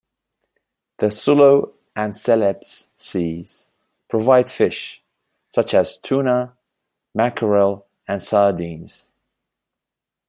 The Sulu and Celebes Seas provide fish such as tuna, mackerel, and sardines.